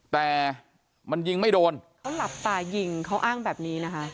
แต่มันยิงไม่โดนเขาหลับตายิงเขาอ้างแบบนี้นะคะ